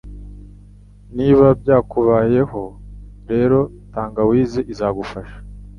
Niba byakubayeho rero, tangawizi izagufasha